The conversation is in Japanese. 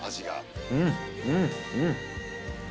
うんうんうん。